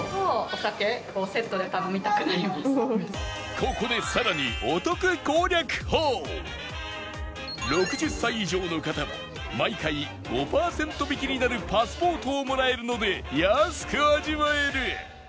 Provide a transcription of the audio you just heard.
ここでさらに６０歳以上の方は毎回５パーセント引きになるパスポートをもらえるので安く味わえる！